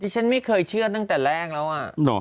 ฉันไม่เคยเชื่อตั้งแต่แรกแล้วอะ